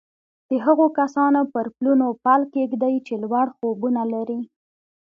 د هغو کسانو پر پلونو پل کېږدئ چې لوړ خوبونه لري